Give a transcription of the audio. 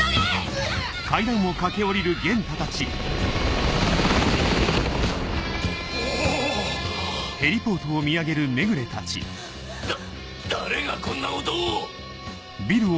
うわぁ‼お⁉だ誰がこんなことを！